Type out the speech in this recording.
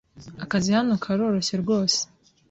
Akazi hano karoroshye rwose.